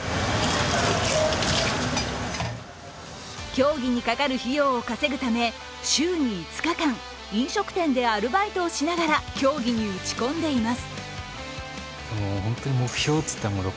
競技にかかる費用を稼ぐため週に５日間飲食店でアルバイトをしながら競技に打ち込んでいます。